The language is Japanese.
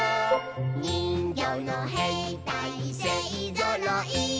「にんぎょうのへいたいせいぞろい」